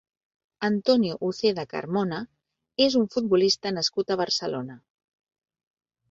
Antonio Uceda Carmona és un futbolista nascut a Barcelona.